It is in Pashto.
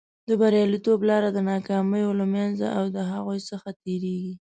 د بریالیتوب لاره د ناکامیو له منځه او د هغو څخه تېرېږي.